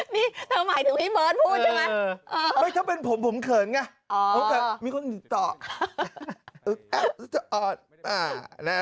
นี่เธอหมายถึงพี่เมิ๊ย์พูดใช่มั้ย